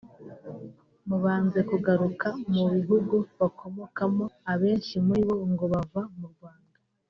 Mu banze kugaruka mu bihugu bakomokamo abenshi muri bo ngo bava mu Rwanda